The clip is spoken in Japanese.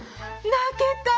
泣けた。